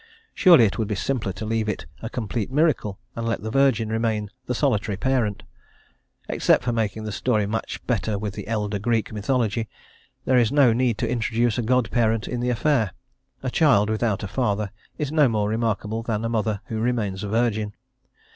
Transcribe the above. Surely it would be simpler to leave it a complete miracle, and let the Virgin remain the solitary parent. Except for making the story match better with the elder Greek mythology, there is no need to introduce a godparent in the affair; a child without a father is no more remarkable than a mother who remains a virgin.